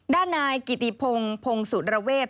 ด้านนายกิติพงพงสุดระเวท